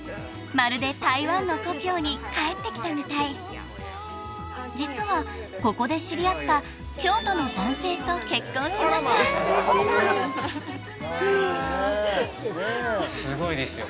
まるで台湾の故郷に帰ってきたみたい実はここで知り合った京都の男性と結婚しましたすごいですよ